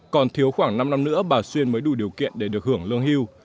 còn thiếu khoảng năm năm nữa bà xuyên mới đủ điều kiện để được hưởng lương hưu